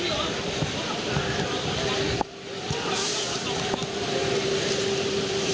หนึ่ง